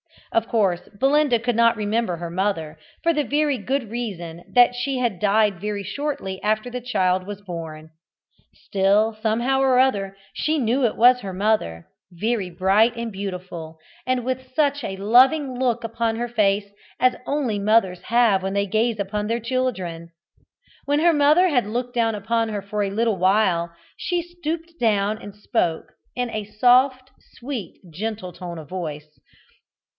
Of course, Belinda could not remember her mother, for the very good reason that she had died very shortly after the child was born. Still, somehow or other, she knew it was her mother, very bright and beautiful, and with such a loving look upon her face as only mothers have when they gaze upon their children. When her mother had looked down upon her for a little while, she stooped down and spoke, in a soft, sweet, gentle tone of voice.